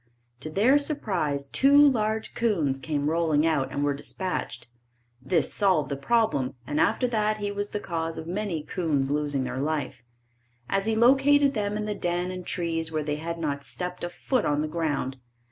To their surprise, two large 'coons came rolling out and were dispatched. This solved the problem, and after that, he was the cause of many 'coons losing their life, as he located them in the den and trees where they had not stepped a foot on the ground.